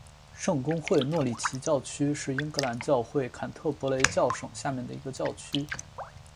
圣公会诺里奇教区是英格兰教会坎特伯雷教省下面的一个教区。